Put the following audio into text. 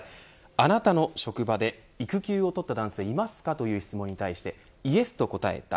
あなたの職場で育休を取った男性はいますかという質問に対してＹＥＳと答えた方